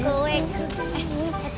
eh tunggu nih